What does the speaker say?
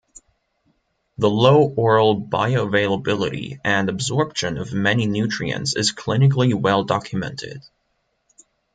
The low oral bioavailability and absorption of many nutrients is clinically well documented.